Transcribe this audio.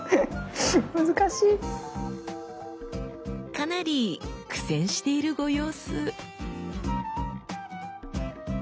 かなり苦戦しているご様子。